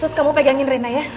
sus kamu pegangin rena ya